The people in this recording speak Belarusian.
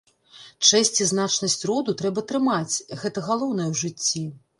Чэсць і значнасць роду трэба трымаць, гэта галоўнае ў жыцці.